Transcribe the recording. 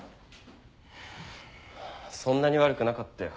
そんなに悪くなかったよ。